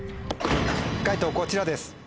解答こちらです。